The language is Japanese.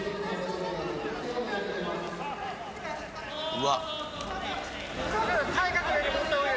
うわっ！